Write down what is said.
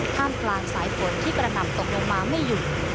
ท่ามกลางสายฝนที่กระหน่ำตกลงมาไม่หยุด